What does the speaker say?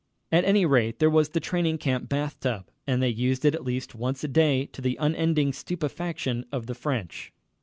At any rate, there was the training camp bathtub, and they used it at least once a day, to the unending stupefaction of the French.